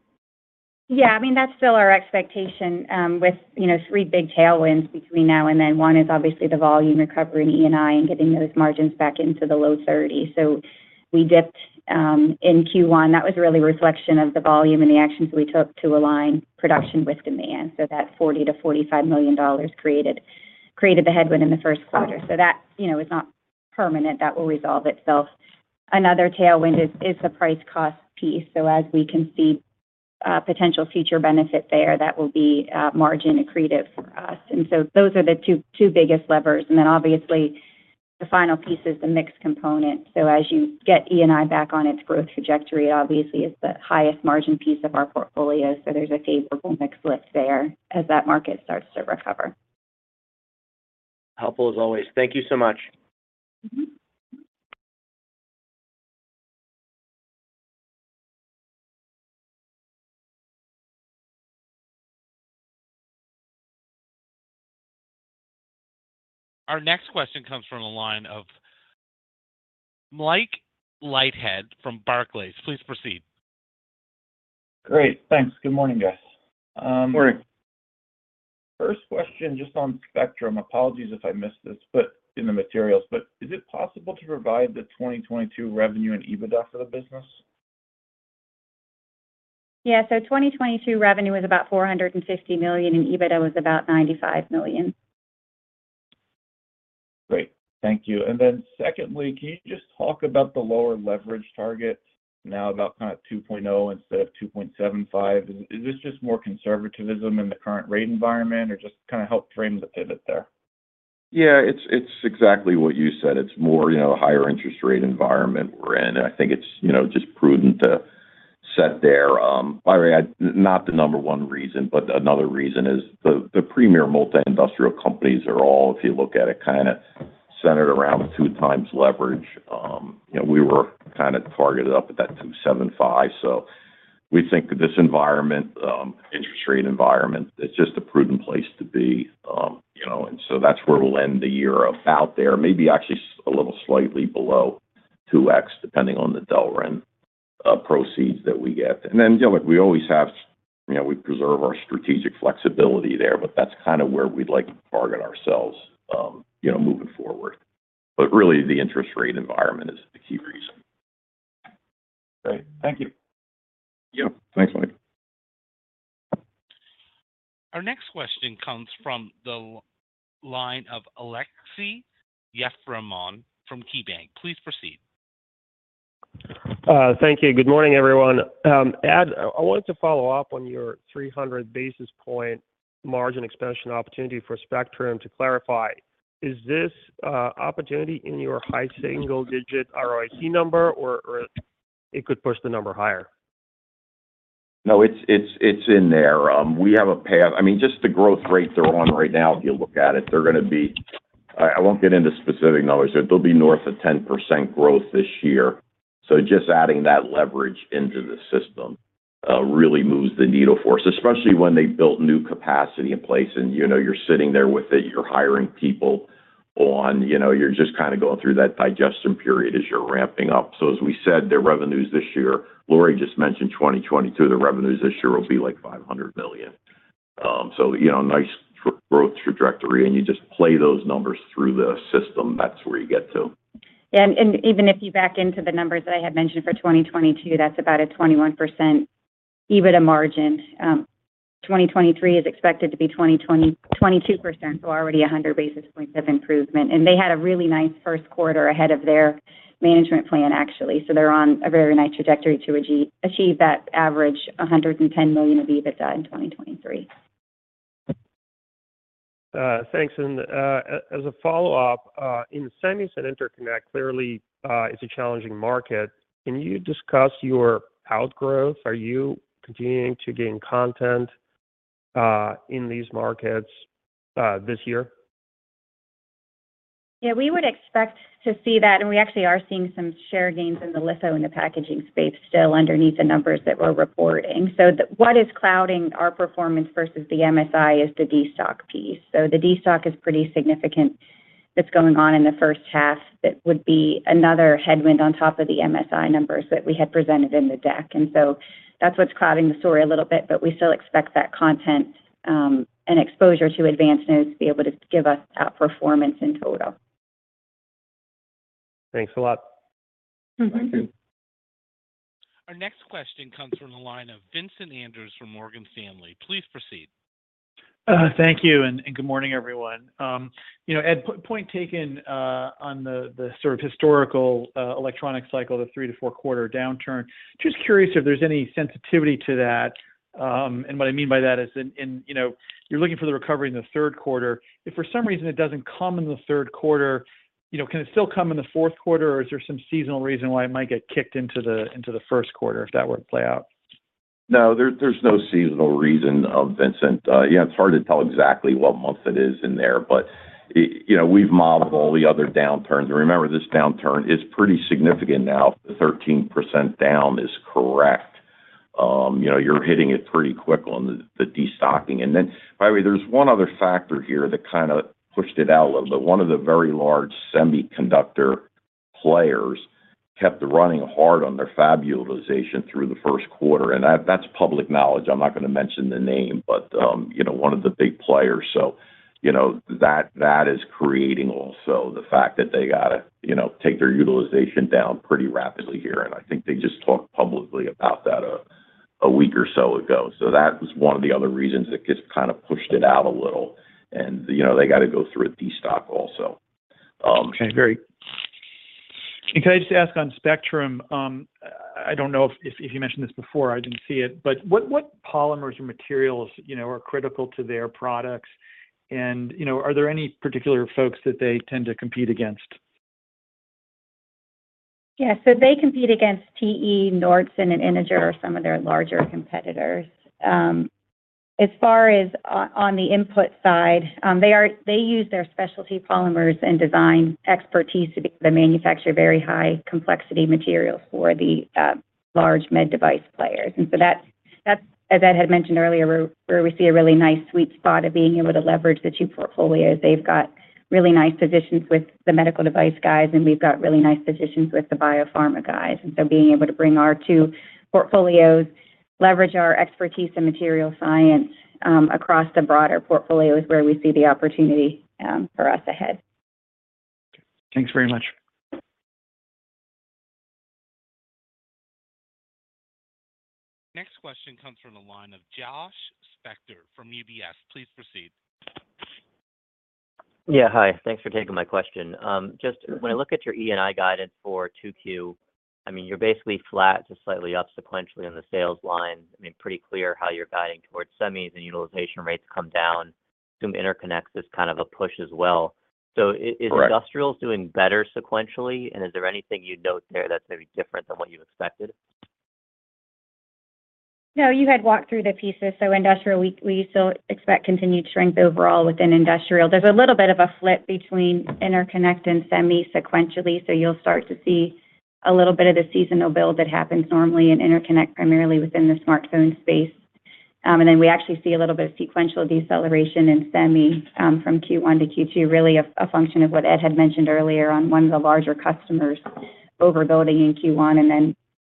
Yeah. I mean, that's still our expectation, with, you know, three big tailwinds between now and then. One is obviously the volume recovery in EPS and getting those margins back into the low 30s. We dipped in Q1. That was really a reflection of the volume and the actions we took to align production with demand. That $40 million-$45 million created the headwind in the first quarter. That, you know, is not permanent. That will resolve itself. Another tailwind is the price cost piece. As we can see, potential future benefit there, that will be margin accretive for us. Those are the two biggest levers. Obviously the final piece is the mix component. As you get EPS back on its growth trajectory, obviously it's the highest margin piece of our portfolio, so there's a favorable mix lift there as that market starts to recover. Helpful as always. Thank you so much. Mm-hmm. Our next question comes from the line of Mike Leithead from Barclays. Please proceed. Great. Thanks. Good morning, guys. Morning. First question, just on Spectrum. Apologies if I missed this, but in the materials. Is it possible to provide the 2022 revenue and EBITDA for the business? Yeah. 2022 revenue was about $450 million, and EBITDA was about $95 million. Great. Thank you. Secondly, can you just talk about the lower leverage target now about kind of 2.0 instead of 2.75? Is this just more conservativism in the current rate environment, or just kind of help frame the pivot there? Yeah. It's, it's exactly what you said. It's more, you know, higher interest rate environment we're in, and I think it's, you know, just prudent to set there. By the way, not the number one reason, but another reason is the premier multi-industrial companies are all, if you look at it, kinda centered around 2x leverage. You know, we were kinda targeted up at that 2.75. We think that this environment, interest rate environment, it's just a prudent place to be. You know, that's where we'll end the year, about there. Maybe actually a little slightly below 2x, depending on the Delrin proceeds that we get. You know, like we always have, you know, we preserve our strategic flexibility there, but that's kind of where we'd like to target ourselves, you know, moving forward. The interest rate environment is the key reason. Great. Thank you. Yep. Thanks, Mike. Our next question comes from the line of Aleksey Yefremov from KeyBanc. Please proceed. Thank you. Good morning, everyone. Ed, I wanted to follow up on your 300 basis point margin expansion opportunity for Spectrum. To clarify, is this opportunity in your high single-digit ROIC number or it could push the number higher? No, it's in there. We have a pay up. I mean, just the growth rates they're on right now, if you look at it, they're gonna be. I won't get into specific numbers, but they'll be north of 10% growth this year. Just adding that leverage into the system really moves the needle for us, especially when they built new capacity in place and, you know, you're sitting there with it, you're hiring people on, you know, you're just kinda going through that digestion period as you're ramping up. As we said, their revenues this year, Lori just mentioned 2022, the revenues this year will be, like, $500 million. You know, nice growth trajectory, and you just play those numbers through the system, that's where you get to. Yeah. Even if you back into the numbers that I had mentioned for 2022, that's about a 21% EBITDA margin. 2023 is expected to be 22%, already 100 basis points of improvement. They had a really nice first quarter ahead of their management plan, actually. They're on a very nice trajectory to achieve that average, $110 million of EBITDA in 2023. Thanks. As a follow-up, in semis and interconnect, clearly, it's a challenging market. Can you discuss your outgrowth? Are you continuing to gain content in these markets this year? We would expect to see that, and we actually are seeing some share gains in the litho and the packaging space still underneath the numbers that we're reporting. What is clouding our performance versus the MSI is the destock piece. The destock is pretty significant that's going on in the first half. That would be another headwind on top of the MSI numbers that we had presented in the deck. That's what's clouding the story a little bit, but we still expect that content, and exposure to advanced nodes to be able to give us that performance in total. Thanks a lot. Mm-hmm. Thank you. Our next question comes from the line of Vincent Andrews from Morgan Stanley. Please proceed. Thank you, and good morning, everyone. You know, Ed, point taken on the historical electronic cycle, the three to four quarter downturn. Just curious if there's any sensitivity to that. What I mean by that is, you know, you're looking for the recovery in the third quarter. If for some reason it doesn't come in the third quarter, you know, can it still come in the fourth quarter, or is there some seasonal reason why it might get kicked into the first quarter if that were to play out? No, there's no seasonal reason, Vincent. Yeah, it's hard to tell exactly what month it is in there. You know, we've modeled all the other downturns, and remember, this downturn is pretty significant now. The 13% down is correct. You know, you're hitting it pretty quick on the destocking. By the way, there's one other factor here that kinda pushed it out a little. One of the very large semiconductor players kept running hard on their fab utilization through the first quarter, and that's public knowledge. I'm not gonna mention the name, but, you know, one of the big players. You know, that is creating also the fact that they gotta, you know, take their utilization down pretty rapidly here. I think they just talked publicly about that a week or so ago. That was one of the other reasons that gets kind of pushed it out a little and, you know, they got to go through a destock also. Okay, great. Can I just ask on Spectrum, I don't know if you mentioned this before, I didn't see it, but what polymers or materials, you know, are critical to their products? And, you know, are there any particular folks that they tend to compete against? Yeah. They compete against TE, Nordson, and Integer are some of their larger competitors. As far as on the input side, they use their specialty polymers and design expertise to manufacture very high complexity materials for the large med device players. That's, that's, as Ed had mentioned earlier, where we see a really nice sweet spot of being able to leverage the two portfolios. They've got really nice positions with the medical device guys, and we've got really nice positions with the biopharma guys. Being able to bring our two portfolios, leverage our expertise in material science, across the broader portfolio is where we see the opportunity for us ahead. Thanks very much. Next question comes from the line of Josh Spector from UBS. Please proceed. Yeah. Hi. Thanks for taking my question. Just when I look at your EPS guidance for 2Q, I mean, you're basically flat to slightly up sequentially on the sales line. I mean, pretty clear how you're guiding towards semis and utilization rates come down. Some interconnects is kind of a push as well. Correct. Is industrials doing better sequentially, and is there anything you'd note there that's maybe different than what you expected? You had walked through the pieces. Industrial, we still expect continued strength overall within industrial. There's a little bit of a flip between Interconnect and Semi sequentially, you'll start to see a little bit of the seasonal build that happens normally in Interconnect, primarily within the smartphone space. Then we actually see a little bit of sequential deceleration in Semi from Q1 to Q2, really a function of what Ed had mentioned earlier on one of the larger customers overbuilding in Q1 and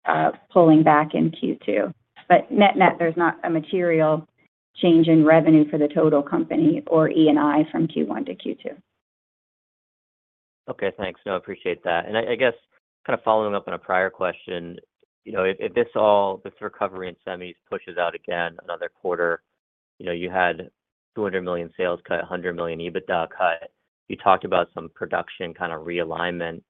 then pulling back in Q2. Net-net, there's not a material change in revenue for the total company or EPS from Q1 to Q2. Okay. Thanks. No, appreciate that. I guess kind of following up on a prior question, you know, if this all, this recovery in semis pushes out again another quarter, you know, you had $200 million sales cut, $100 million EBITDA cut. You talked about some production kind of realignment.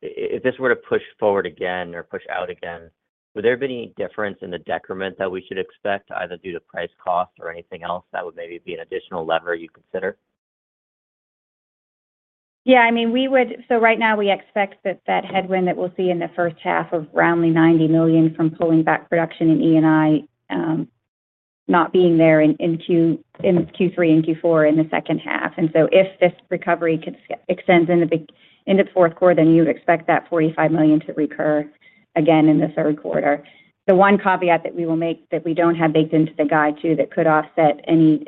If this were to push forward again or push out again, would there be any difference in the decrement that we should expect, either due to price cost or anything else that would maybe be an additional lever you'd consider? Yeah. I mean, right now we expect that that headwind that we'll see in the first half of roundly $90 million from pulling back production in EPS, not being there in Q3 and Q4 in the second half. If this recovery could extends into fourth quarter, then you'd expect that $45 million to recur again in the third quarter. The one caveat that we will make that we don't have baked into the guide too that could offset any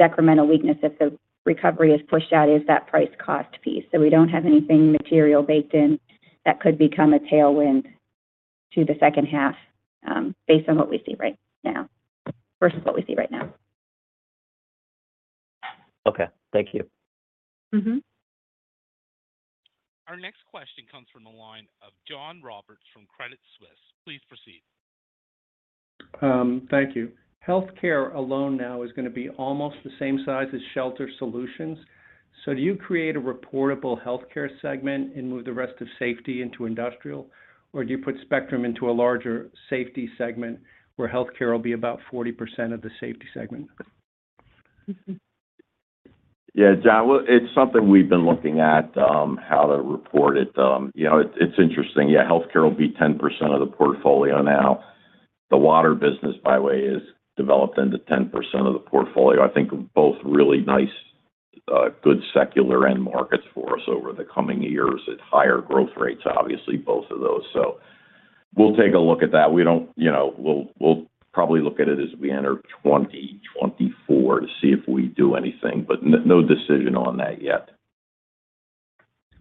decremental weakness if the recovery is pushed out is that price cost piece. We don't have anything material baked in that could become a tailwind to the second half, based on what we see right now versus what we see right now. Okay. Thank you. Mm-hmm. Our next question comes from the line of John Roberts from Credit Suisse. Please proceed. Thank you. Healthcare alone now is gonna be almost the same size as Shelter Solutions. Do you create a reportable healthcare segment and move the rest of Safety into Industrial, or do you put Spectrum into a larger Safety segment where healthcare will be about 40% of the Safety segment? John. Well, it's something we've been looking at, how to report it. You know, it's interesting. Healthcare will be 10% of the portfolio now. The Water business, by the way, is developed into 10% of the portfolio. I think both really nice, good secular end markets for us over the coming years at higher growth rates, obviously, both of those. We'll take a look at that. We'll probably look at it as we enter 2024 to see if we do anything, but no decision on that yet.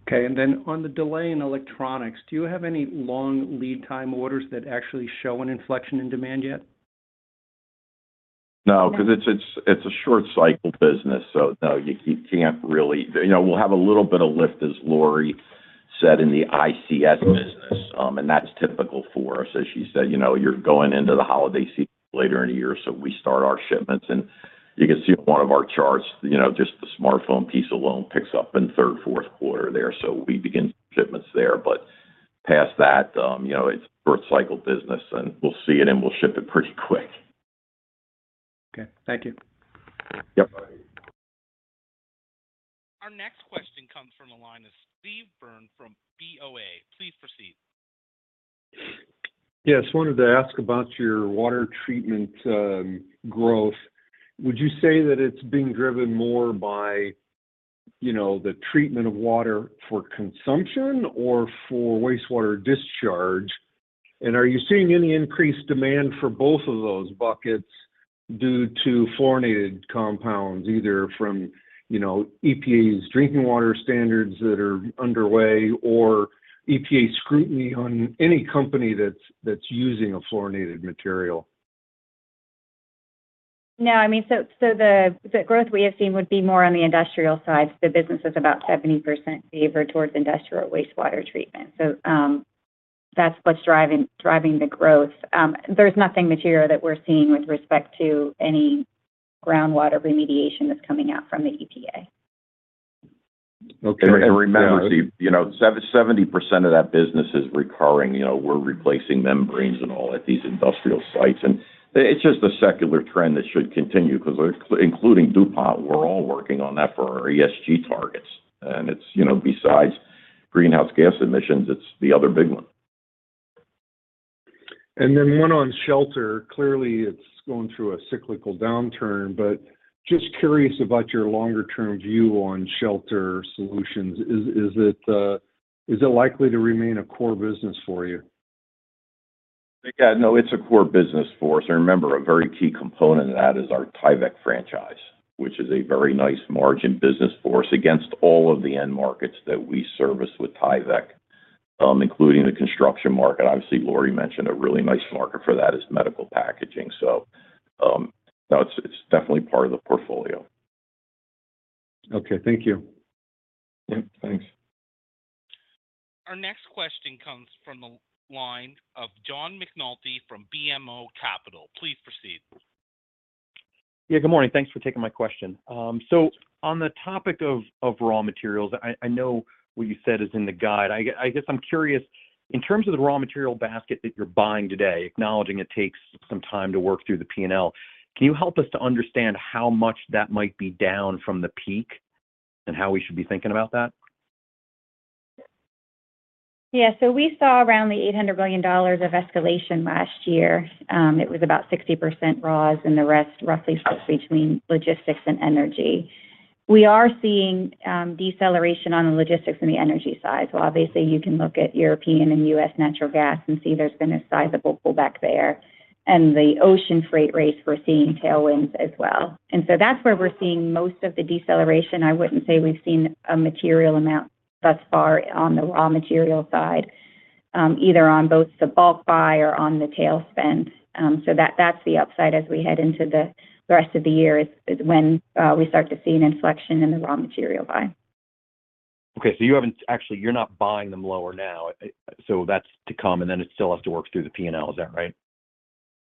Okay. On the delay in electronics, do you have any long lead time orders that actually show an inflection in demand yet? No, 'cause it's a short cycle business, so no, you can't really. You know, we'll have a little bit of lift, as Lori said, in the ICS business, and that's typical for us. As she said, you know, you're going into the holiday season later in the year, so we start our shipments. You can see on one of our charts, you know, just the smartphone piece alone picks up in third, fourth quarter there. We begin shipments there. Past that, you know, it's short cycle business, and we'll see it and we'll ship it pretty quick. Okay. Thank you. Yep. Our next question comes from the line of Steve Byrne from BOA. Please proceed. Yes. Wanted to ask about your water treatment growth. Would you say that it's being driven more by, you know, the treatment of water for consumption or for wastewater discharge? Are you seeing any increased demand for both of those buckets due to fluorinated compounds, either from, you know, EPA's drinking water standards that are underway or EPA scrutiny on any company that's using a fluorinated material? I mean, the growth we have seen would be more on the industrial side. The business is about 70% favored towards industrial wastewater treatment, so that's what's driving the growth. There's nothing material that we're seeing with respect to any groundwater remediation that's coming out from the EPA. Okay. Remember, Steve, you know, 70% of that business is recurring. You know, we're replacing membranes and all at these industrial sites. It's just a secular trend that should continue 'cause including DuPont, we're all working on that for our ESG targets. It's, you know, besides greenhouse gas emissions, it's the other big one. One on Shelter Solutions. Clearly, it's going through a cyclical downturn, but just curious about your longer term view on Shelter Solutions. Is it likely to remain a core business for you? Yeah, no, it's a core business for us. Remember, a very key component of that is our Tyvek franchise, which is a very nice margin business for us against all of the end markets that we service with Tyvek, including the construction market. Obviously, Lori mentioned a really nice market for that is medical packaging. No, it's definitely part of the portfolio. Okay. Thank you. Yeah, thanks. Our next question comes from the line of John McNulty from BMO Capital. Please proceed. Yeah, good morning. Thanks for taking my question. On the topic of raw materials, I know what you said is in the guide. I guess I'm curious, in terms of the raw material basket that you're buying today, acknowledging it takes some time to work through the P&L, can you help us to understand how much that might be down from the peak and how we should be thinking about that? Yeah. We saw around the $800 million of escalation last year. It was about 60% raws and the rest roughly split between logistics and energy. We are seeing deceleration on the logistics and the energy side. Obviously you can look at European and U.S. natural gas and see there's been a sizable pullback there. The ocean freight rates, we're seeing tailwinds as well. That's where we're seeing most of the deceleration. I wouldn't say we've seen a material amount thus far on the raw material side, either on both the bulk buy or on the tail spend. That's the upside as we head into the rest of the year is when we start to see an inflection in the raw material buy. Okay. Actually, you're not buying them lower now. That's to come, and then it still has to work through the P&L. Is that right?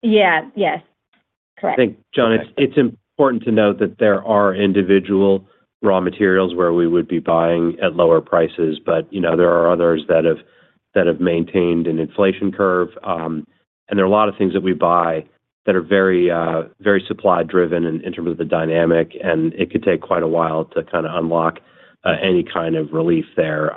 Yeah. Yes. Correct. I think, John, it's important to note that there are individual raw materials where we would be buying at lower prices, but, you know, there are others that have maintained an inflation curve. There are a lot of things that we buy that are very supply driven in terms of the dynamic, and it could take quite a while to kinda unlock any kind of relief there,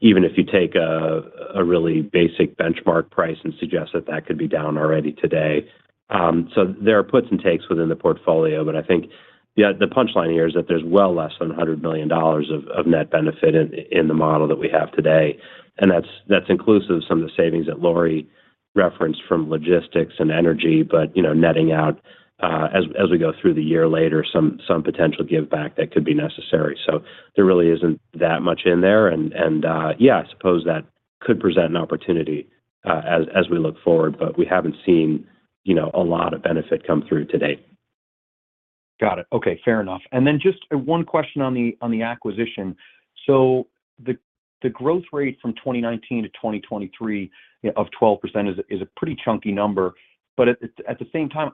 even if you take a really basic benchmark price and suggest that that could be down already today. There are puts and takes within the portfolio, but I think, yeah, the punchline here is that there's well less than $100 million of net benefit in the model that we have today. That's inclusive of some of the savings that Lori referenced from logistics and energy. You know, netting out, as we go through the year later, some potential give back that could be necessary. There really isn't that much in there. Yeah, I suppose that could present an opportunity, as we look forward, but we haven't seen, you know, a lot of benefit come through today. Got it. Okay. Fair enough. Just 1 question on the acquisition. The growth rate from 2019 to 2023 of 12% is a pretty chunky number. At the same time,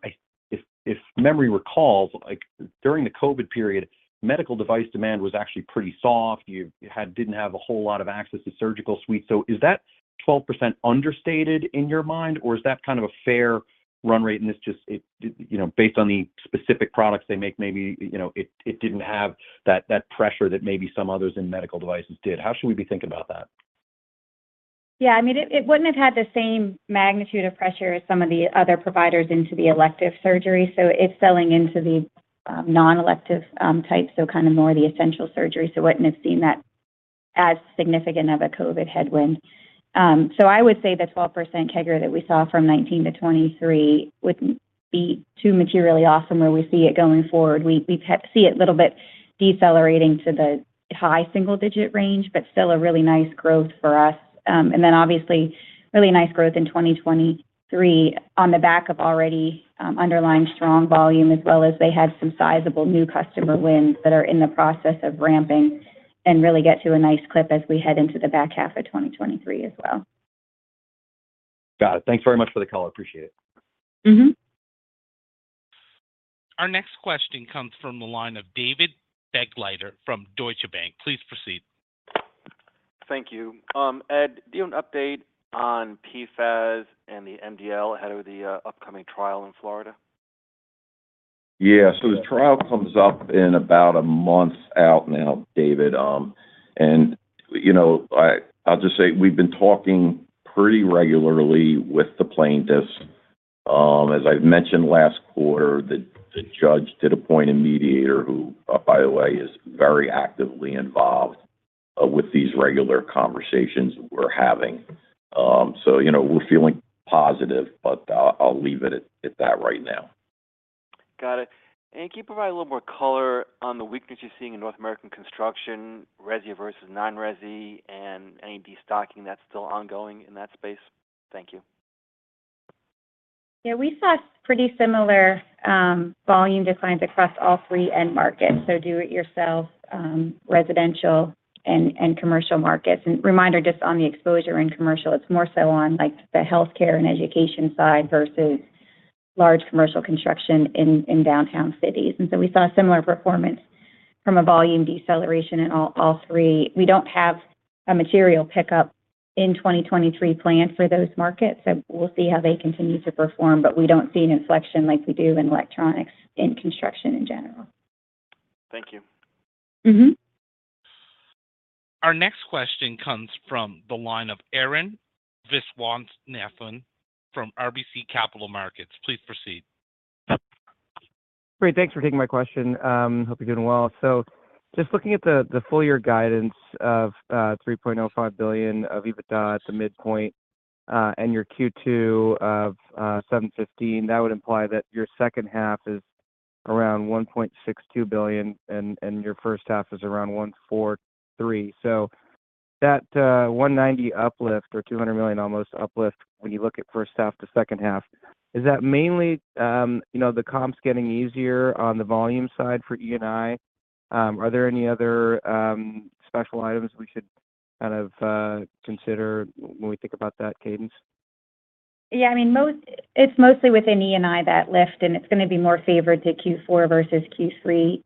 if memory recalls, like during the COVID period, medical device demand was actually pretty soft. Didn't have a whole lot of access to surgical suite. Is that 12% understated in your mind, or is that kind of a fair run rate and it's just, you know, based on the specific products they make, maybe, you know, it didn't have that pressure that maybe some others in medical devices did? How should we be thinking about that? I mean, it wouldn't have had the same magnitude of pressure as some of the other providers into the elective surgery. It's selling into the non-elective type, so kind of more the essential surgery. It wouldn't have seen that as significant of a COVID headwind. I would say the 12% CAGR that we saw from 2019 to 2023 wouldn't be too materially off from where we see it going forward. We see it a little bit decelerating to the high single-digit range, but still a really nice growth for us. Obviously really nice growth in 2023 on the back of already underlying strong volume as well as they had some sizable new customer wins that are in the process of ramping and really get to a nice clip as we head into the back half of 2023 as well. Got it. Thanks very much for the call. I appreciate it. Mm-hmm. Our next question comes from the line of David Begleiter from Deutsche Bank. Please proceed. Thank you. Ed, do you have an update on PFAS and the MDL ahead of the upcoming trial in Florida? Yeah. The trial comes up in about a month out now, David. You know, I'll just say we've been talking pretty regularly with the plaintiffs. As I've mentioned last quarter, the judge did appoint a mediator who, by the way, is very actively involved with these regular conversations we're having. You know, we're feeling positive, but I'll leave it at that right now. Got it. Can you provide a little more color on the weakness you're seeing in North American construction, resi versus non-resi, and any destocking that's still ongoing in that space? Thank you. Yeah. We saw pretty similar volume declines across all three end markets, so do-it-yourself, residential and commercial markets. Reminder just on the exposure in commercial, it's more so on like the healthcare and education side versus large commercial construction in downtown cities. We saw similar performance from a volume deceleration in all three. We don't have a material pickup in 2023 planned for those markets, so we'll see how they continue to perform, but we don't see an inflection like we do in electronics in construction in general. Thank you. Mm-hmm. Our next question comes from the line of Arun Viswanathan from RBC Capital Markets. Please proceed. Great. Thanks for taking my question. Hope you're doing well. Just looking at the full year guidance of $3.05 billion of EBITDA at the midpoint, and your Q2 of $715 million, that would imply that your second half is around $1.62 billion and your first half is around $1.43 billion. That $190 million uplift or $200 million almost uplift when you look at first half to second half, is that mainly, you know, the comps getting easier on the volume side for E&I? Are there any other special items we should kind of consider when we think about that cadence? I mean, it's mostly within E&I, that lift, and it's gonna be more favored to Q4 versus Q3,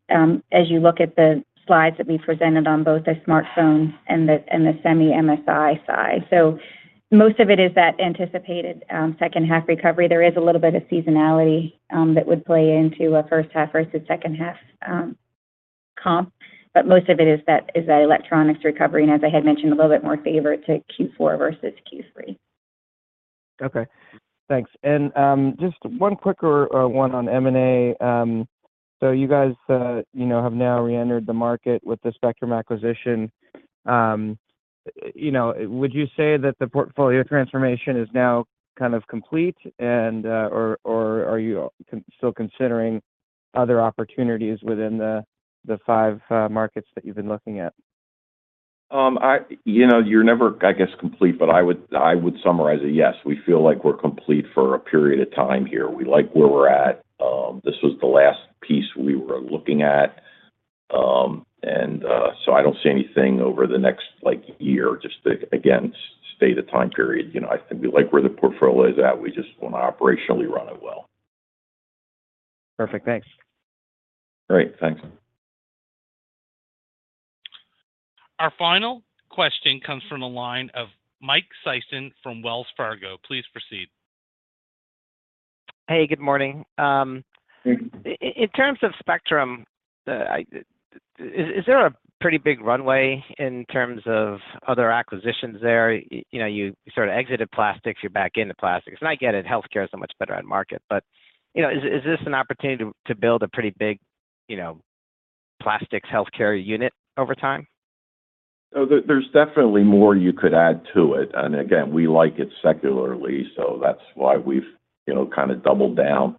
as you look at the slides that we presented on both the smartphones and the semi MSI side. Most of it is that anticipated second half recovery. There is a little bit of seasonality that would play into a first half versus second half comp, but most of it is that electronics recovery, and as I had mentioned, a little bit more favor to Q4 versus Q3. Okay. Thanks. Just one quicker one on M&A. You guys, you know, have now reentered the market with the Spectrum acquisition. You know, would you say that the portfolio transformation is now kind of complete or are you still considering other opportunities within the five markets that you've been looking at? I. You know, you're never, I guess, complete, but I would summarize it, yes. We feel like we're complete for a period of time here. We like where we're at. This was the last piece we were looking at. So I don't see anything over the next, like, year just to, again, stay the time period. You know, I think we like where the portfolio is at. We just want to operationally run it well. Perfect. Thanks. Great. Thanks. Our final question comes from the line of Mike Sison from Wells Fargo. Please proceed. Hey, good morning. Good morning. In terms of Spectrum, is there a pretty big runway in terms of other acquisitions there? You know, you sort of exited plastics, you're back into plastics. I get it, healthcare is a much better end market. You know, is this an opportunity to build a pretty big, you know, plastics healthcare unit over time? There's definitely more you could add to it. Again, we like it secularly, so that's why we've, you know, kind of doubled down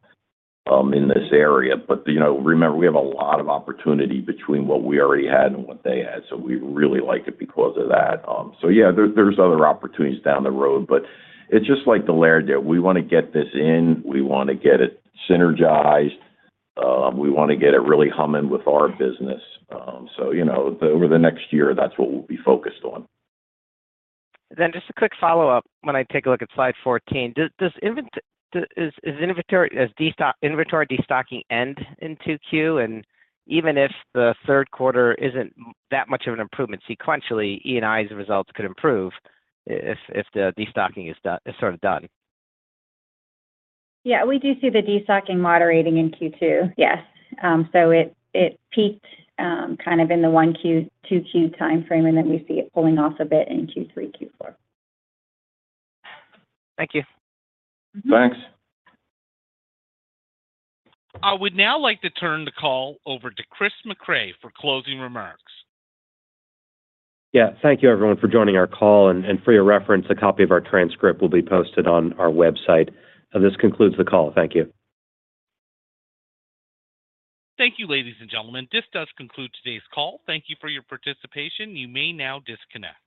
in this area. You know, remember, we have a lot of opportunity between what we already had and what they had, so we really like it because of that. Yeah, there's other opportunities down the road, but it's just like. We wanna get this in. We wanna get it synergized. We wanna get it really humming with our business. You know, over the next year, that's what we'll be focused on. Just a quick follow-up. When I take a look at slide 14, does inventory destocking end in 2Q? Even if the third quarter isn't that much of an improvement sequentially, E&I's results could improve if the destocking is sort of done. Yeah, we do see the destocking moderating in Q2. Yes. It peaked kind of in the 1Q, 2Q timeframe, and then we see it pulling off a bit in Q3, Q4. Thank you. Thanks. I would now like to turn the call over to Chris Mecray for closing remarks. Yeah. Thank you everyone for joining our call, and for your reference, a copy of our transcript will be posted on our website. This concludes the call. Thank you. Thank you, ladies and gentlemen. This does conclude today's call. Thank you for your participation. You may now disconnect.